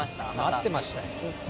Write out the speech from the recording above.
なってましたよ。